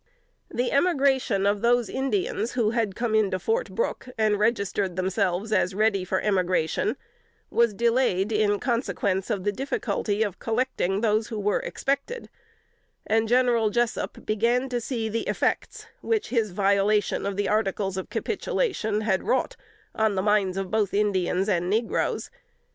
The emigration of those Indians who had come in to Fort Brooke, and registered themselves as ready for emigration, was delayed in consequence of the difficulty of collecting those who were expected; and General Jessup began to see the effects which his violation of the articles of capitulation had wrought on the minds of both Indians and negroes.